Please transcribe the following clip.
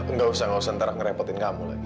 nggak usah ngusah ntarak ngerepotin kamu lagi